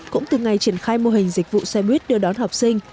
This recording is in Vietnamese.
cũng từ ngày triển khai mô hình dịch vụ xe buýt đưa đón học sinh